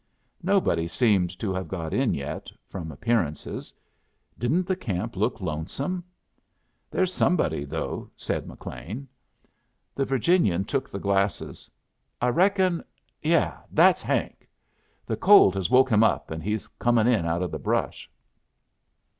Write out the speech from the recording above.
Nobody seemed to have got in yet, from appearances. Didn't the camp look lonesome? "There's somebody, though," said McLean. The Virginian took the glasses. "I reckon yes, that's Hank. The cold has woke him up, and he's comin' in out o' the brush."